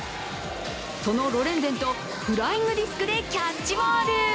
そのロレンゼンとフライングディスクでキャッチボール。